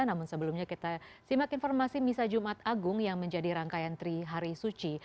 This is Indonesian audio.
namun sebelumnya kita simak informasi misa jumat agung yang menjadi rangkaian trihari suci